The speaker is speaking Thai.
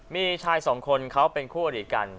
มีชายสองคนเขาเป็นคู่อดีตกัน